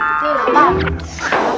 kalau kamu lupain aku